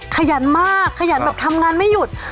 ขยันมากขยันแบบทำงานไม่หยุด